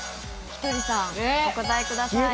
ひとりさん、お答えください。